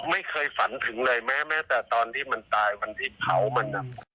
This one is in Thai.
ไม่เคยฝันถึงเลยแม้แต่ตอนที่มันตายวันที่เผามัน